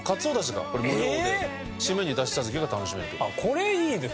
これいいです。